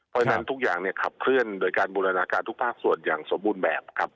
เพราะฉะนั้นทุกอย่างเนี่ยขับเคลื่อนโดยการบูรณาการทุกภาคส่วนอย่างสมบูรณ์แบบครับ